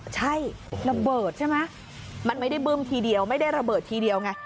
ใช่ระเบิดใช่ไหมมันไม่ได้บึ้มทีเดียวไม่ได้ระเบิดทีเดียวไง